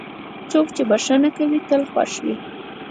څوک چې بښنه کوي، تل خوښ وي.